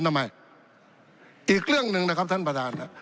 ทำไมอีกเรื่องหนึ่งนะครับท่านประธาน